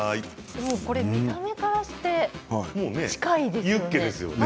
もうこれ見た目からして近いですよね。